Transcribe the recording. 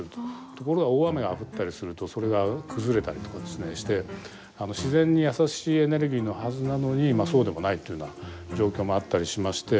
ところが大雨が降ったりするとそれが崩れたりとかして自然に優しいエネルギーのはずなのにまあそうでもないというような状況もあったりしまして。